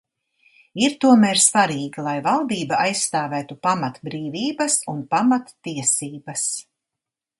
Ir tomēr svarīgi, lai valdība aizstāvētu pamatbrīvības un pamattiesības.